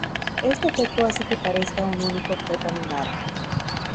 Este efecto hace que parezca un único objeto animado.